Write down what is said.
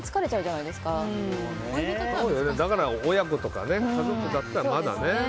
嫉妬が入るとだから親子とか家族だったらまだね。